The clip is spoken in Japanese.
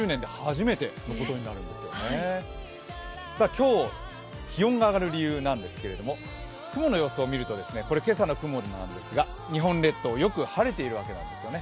今日、気温が上がる理由なんですけれども、雲の様子を見ると、これは今朝の雲の図なんですが、日本列島よく晴れているわけなんですよね。